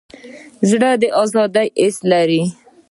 زړه د ازادۍ حس لري.